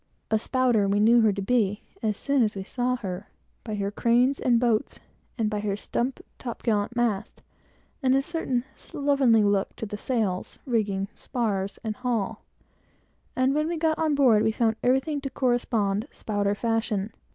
A "spouter" we knew her to be as soon as we saw her, by her cranes and boats, and by her stump top gallant masts, and a certain slovenly look to the sails, rigging, spars and hull; and when we got on board, we found everything to correspond, spouter fashion.